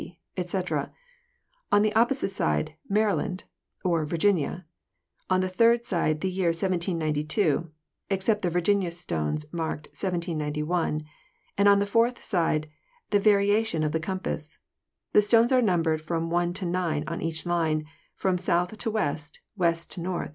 etc; on the opposite side, "Maryland" (or " VIRGINIA"); on the third side. the year "7792" (except the Virginia stones, marked "z797"); and on the fourth side, the variation of the compass. The stones are numbered from 1 to 9 on each line, from south to west, west to north, ete.